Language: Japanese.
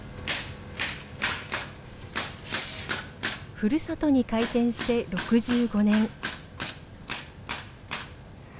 ふるさとに開店して６５年。